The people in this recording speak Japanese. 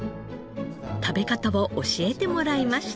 食べ方を教えてもらいました。